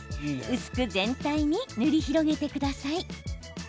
薄く全体に塗り広げてください。